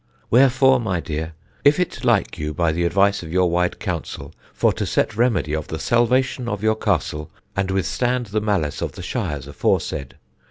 Wherefore, my dear, if it like you by the advice of your wise counsel for to set remedy of the salvation of your Castle and withstand the malice of the Shires aforesaid.